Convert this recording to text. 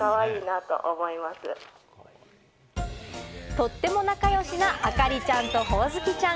とっても仲良しな、あかりちゃんとほおずきちゃん。